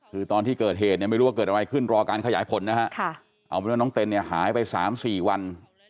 คือตอนที่เกิดเหตุเนี่ยไม่รู้ว่าเกิดอะไรขึ้นรอการขยายผลนะฮะเอาเป็นว่าน้องเต้นเนี่ยหายไป๓๔วัน